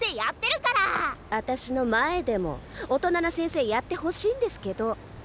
あたしの前でも大人な先生やってほしいんですけど。